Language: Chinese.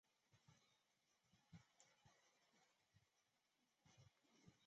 拉莫斯猪笼草是菲律宾棉兰老岛东北部特有的热带食虫植物。